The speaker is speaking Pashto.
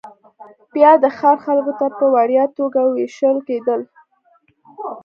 بیا د ښار خلکو ته په وړیا توګه وېشل کېدل